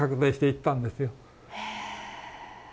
へえ！